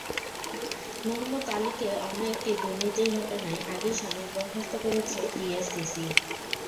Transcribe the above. মোহাম্মদ আলীকে অন্য একটি দুর্নীতির ঘটনায় আগেই সাময়িক বরখাস্ত করেছে ডিএসসিসি।